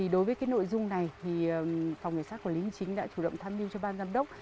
đối với nội dung này thì phòng nghệ sát quản lý chính đã chủ động tham dự cho ban giám đốc